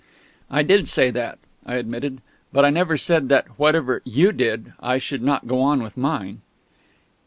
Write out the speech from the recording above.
"I did say that," I admitted; "but I never said that whatever you did I should not go on with mine."